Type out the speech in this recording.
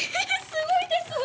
すごいです！